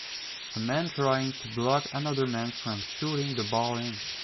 A man trying to block another man from shooting the ball in.